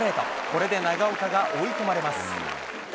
これで長岡が追い込まれます。